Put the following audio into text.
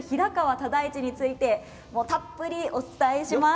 唯一についてたっぷりお伝えします。